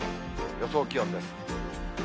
予想気温です。